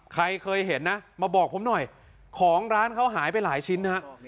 ใครเคยเห็นนะมาบอกผมหน่อยของร้านเขาหายไปหลายชิ้นนะฮะ